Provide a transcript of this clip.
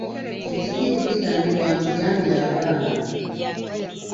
Ejjinja eryo ligambibwa nti lyamira abaana.